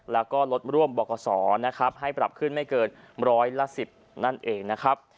แล้วก็ลดร่วมบกษนะครับให้ปรับขึ้นไม่เกินร้อยละ๑๐นั่นเองนะครับ